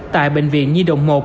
tại bệnh viện nhi động một